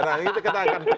nah ini kita akan